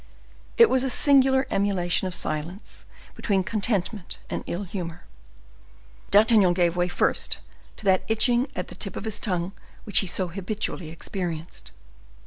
It was a singular emulation of silence between contentment and ill humor. D'Artagnan gave way first to that itching at the tip of his tongue which he so habitually experienced.